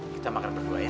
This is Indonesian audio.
kita makan berdua ya